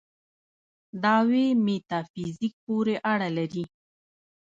دعوې میتافیزیک پورې اړه لري.